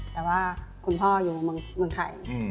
แต่ว่าคุณพ่ออยู่เมืองไทย